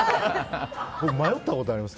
僕、迷ったことあります。